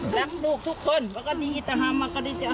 รักลูกทุกคนก็ดีจะทำก็ดีจะทำ